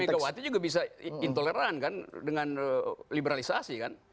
ya sama juga mb gawati juga bisa intoleran kan dengan liberalisasi kan